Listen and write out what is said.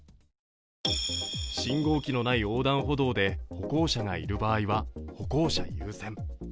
信号機のない横断歩道で歩行者がいる場合は歩行者優先。